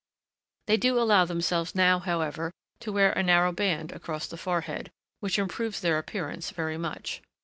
They do allow themselves now, however, to wear a narrow band across the forehead, which improves their appearance very much.